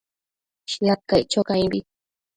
Shiad caic cho caimbi